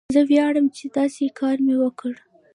زه ویاړم چې داسې کار مې وکړ.